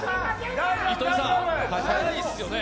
糸井さん、速いですよね。